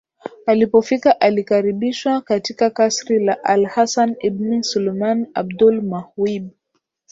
alipofika alikaribishwa katika kasri la al Hasan ibn Sulaiman Abul Mawahib